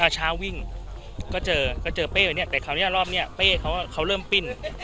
เช้าวิ่งก็เจอก็เจอเป้ไปเนี่ยแต่คราวนี้รอบนี้เป้เขาเริ่มปิ้น